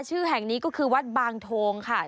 ชื่อแห่งนี้ก็คือวัดบางโทงค่ะ